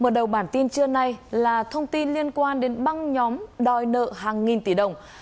mở đầu bản tin trưa nay là thông tin liên quan đến băng nhóm đòi nợ hàng nghìn tỷ đồng